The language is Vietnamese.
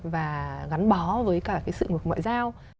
và gắn bó với cả cái sự ngược ngoại giao